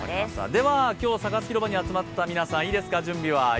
では今日、サカス広場に集まった皆さんいいですか、準備は。